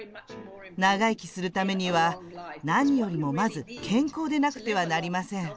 長生きするためには何よりもまず健康でなくてはなりません。